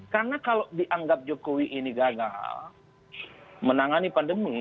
karena kalau dianggap jokowi ini gagal menangani pandemi